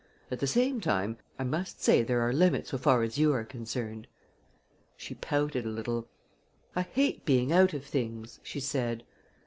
At the same time I must say there are limits so far as you are concerned." She pouted a little. "I hate being out of things," she said.